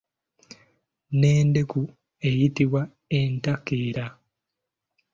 N'endeku eyitibwa entakeera.